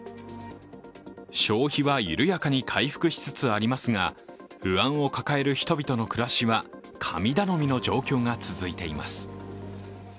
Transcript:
消費は緩やかに回復しつつありますが不安を抱える人々の暮らしは神頼みの状況が続いています。